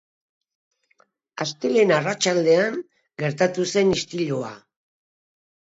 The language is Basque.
Astelehen arratsaldean gertatu zen istilua.